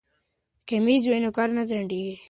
که میز وي نو کار نه ځنډیږي.